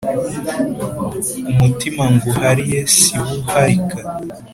umutima nguhariye siwuharika